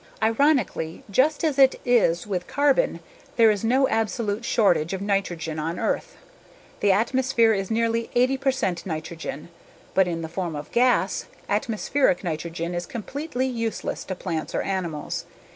Ironically, just as it is with carbon, there is no absolute shortage of nitrogen on Earth. The atmosphere is nearly 80 percent nitrogen. But in the form of gas, atmospheric nitrogen is completely useless to plants or animals.